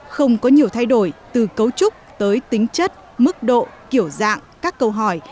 không có nhiều thay đổi từ cấu trúc tới tính chất mức độ kiểu dạng các câu hỏi